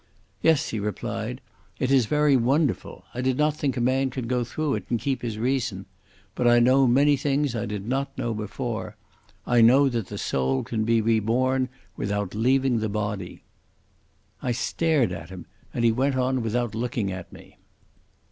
"Yes," he replied, "it is very wonderful. I did not think a man could go through it and keep his reason. But I know many things I did not know before. I know that the soul can be reborn without leaving the body." I stared at him, and he went on without looking at me.